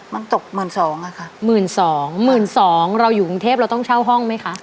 มันตกหมื่นสองอ่ะค่ะหมื่นสองหมื่นสองเราอยู่กรุงเทพเราต้องเช่าห้องไหมคะ